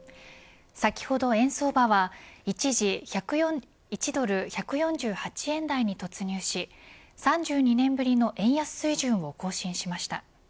先ほど、円相場は一時１ドル１４８円台に突入し３２年ぶりの円安水準を更新しました。